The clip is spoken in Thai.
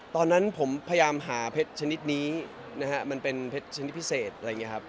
ตอนนั้นผมพยายามหาเพชรชนิดนี้นะฮะมันเป็นเพชรชนิดพิเศษอะไรอย่างนี้ครับ